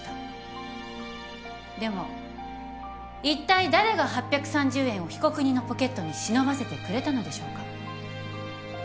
でもいったい誰が８３０円を被告人のポケットに忍ばせてくれたのでしょうか？